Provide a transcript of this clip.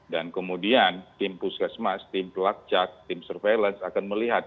dan kemudian tim puskesmas tim pelacak tim surveillance akan melihat